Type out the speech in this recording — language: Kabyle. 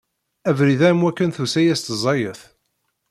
Abrid-a am wakken tusa-yas-d ẓẓayet.